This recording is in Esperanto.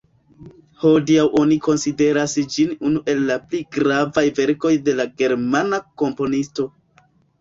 Hodiaŭ oni konsideras ĝin unu el la pli gravaj verkoj de la germana komponisto.